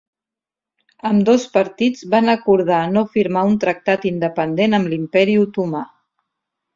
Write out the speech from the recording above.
Ambdós partits van acordar no firmar un tractat independent amb l'Imperi otomà.